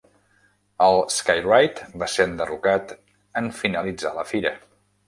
El Sky Ride va ser enderrocat en finalitzar la fira.